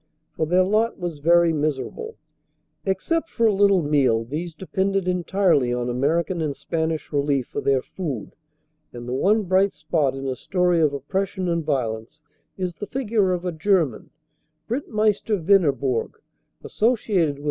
For their lot was very miserable. Except for a little meal, these depended entirely on American and Spanish relief for their food, and the one bright spot in a story of oppression and violence is the figure of a German, Ritt meister Venerbourg, associated with M.